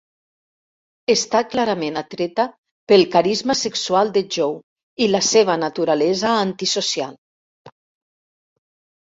Està clarament atreta pel carisma sexual de Joe i la seva naturalesa antisocial.